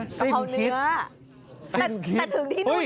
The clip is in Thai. เหรอเมนูอ่ะสิ้นคิด